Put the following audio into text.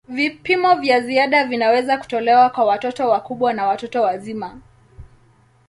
Vipimo vya ziada vinaweza kutolewa kwa watoto wakubwa na watu wazima.